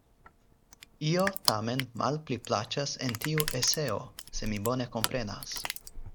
Io tamen malpli plaĉas en tiu eseo, se mi bone komprenas.